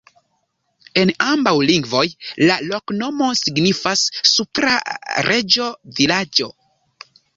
En ambaŭ lingvoj la loknomo signifas: supra-reĝo-vilaĝo.